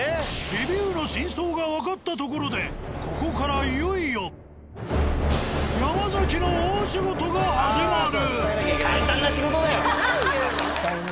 レビューの真相がわかったところでここからいよいよ山崎の大仕事が始まる。